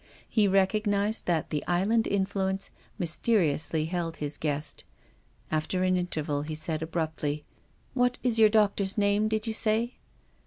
He recognised that the island influence mysteriously held his guest. After an interval he said abruptly :" What is your doctor's name, did you say?